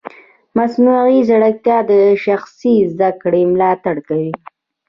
مصنوعي ځیرکتیا د شخصي زده کړې ملاتړ کوي.